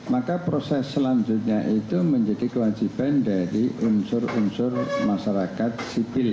maka proses selanjutnya itu menjadi kewajiban dari unsur unsur masyarakat sipil